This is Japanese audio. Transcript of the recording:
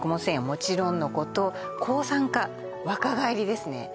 繊維はもちろんのこと抗酸化若返りですね